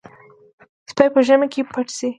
سپي په ژمي کې پټ شي.